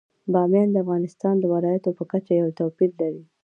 بامیان د افغانستان د ولایاتو په کچه یو توپیر لري.